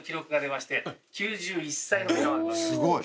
すごい。